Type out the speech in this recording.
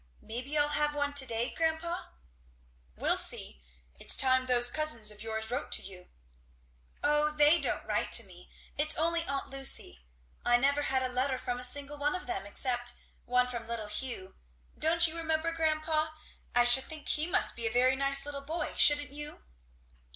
Maybe I'll have one to day, grandpa?" "We'll see. It's time those cousins of yours wrote to you." "O they don't write to me it's only Aunt Lucy; I never had a letter from a single one of them, except once from little Hugh, don't you remember, grandpa? I should think he must be a very nice little boy, shouldn't you?"